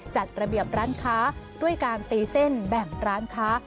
จัดระเบียบร้านค้าด้วยการตีเส้นแบ่งร้านค้า